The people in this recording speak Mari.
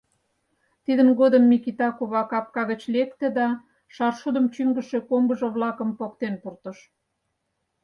Тидын годым Микита кува капка гыч лекте да шаршудым чӱҥгышӧ комбыжо-влакым поктен пуртыш.